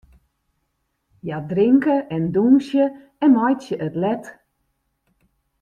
Hja drinke en dûnsje en meitsje it let.